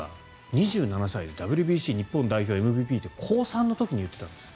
２７歳でＷＢＣ日本代表でＭＶＰって高３の時に言っていたんですよ。